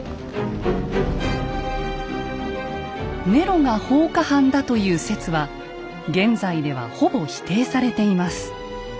ネロが放火犯だという説は現在ではほぼ否定されています。